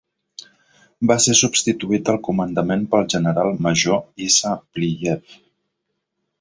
Va ser substituït al comandament pel general major Issa Pliyev.